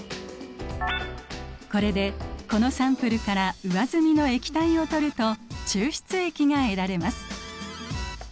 これでこのサンプルから上澄みの液体をとると抽出液が得られます。